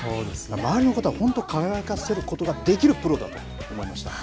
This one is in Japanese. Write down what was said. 周りの方を輝かせることができるプロだと思いました。